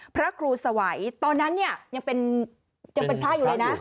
พระครูสวัยตอนนั้นเนี่ยยังเป็นพระอยู่เลยนะ